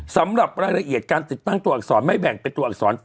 สำหรับรายละเอียดการติดตั้งตัวอักษรไม่แบ่งเป็นตัวอักษร